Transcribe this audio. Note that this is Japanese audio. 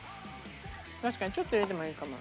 確かにちょっと入れてもいいかも。